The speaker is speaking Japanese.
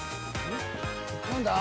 何だ？